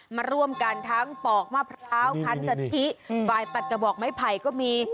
มาร่วมกันทั้งปอกมะพร้าวคันกะทิฝ่ายตัดกระบอกไม้ไผ่ก็มี